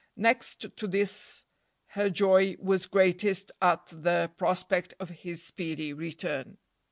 Next to this her joy was greatest at the prospect of his speedy return.